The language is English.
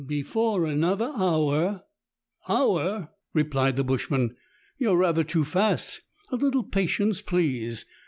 Before another hour " "Hour!" replied the bushman. "You are rather too fast. A little patience, please.